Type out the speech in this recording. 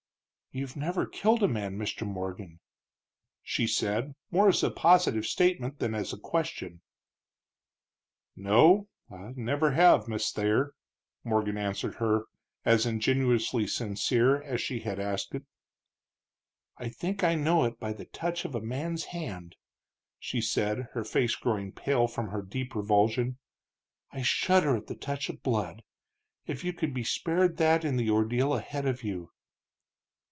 "You've never killed a man, Mr. Morgan," she said, more as a positive statement than as a question. "No, I never have, Miss Thayer," Morgan answered her, as ingenuously sincere as she had asked it. "I think I know it by the touch of a man's hand," she said, her face growing pale from her deep revulsion. "I shudder at the touch of blood. If you could be spared that in the ordeal ahead of you!"